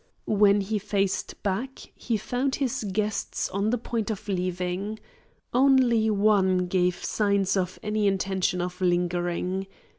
When he faced back, he found his guests on the point of leaving. Only one gave signs of any intention of lingering.